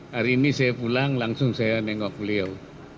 hari ini saya pulang langsung saya nengok beliau